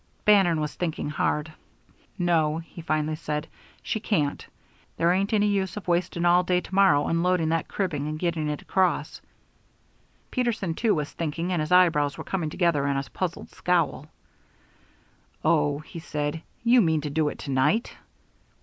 Bannon was thinking hard. "No," he finally said, "she can't. There ain't any use of wasting all day to morrow unloading that cribbing and getting it across." Peterson, too, was thinking; and his eye brows were coming together in a puzzled scowl. "Oh," he said, "you mean to do it to night?"